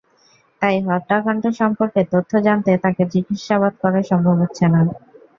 তাই হত্যাকাণ্ড সম্পর্কে তথ্য জানতে তাঁকে জিজ্ঞাসাবাদ করা সম্ভব হচ্ছে না।